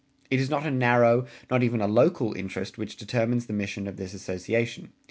It is not a narrow, not even a local, interest which determines the mission of this Association.